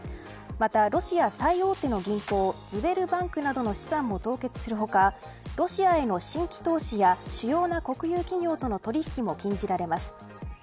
また、ロシア最大手の銀行ズベルバンクなどの資産を凍結する他ロシアへの新規投資や主要な国有企業との取引も禁じられます。